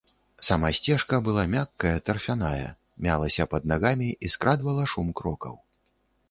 Сама сцежка была мяккая, тарфяная, мялася пад нагамі і скрадвала шум крокаў.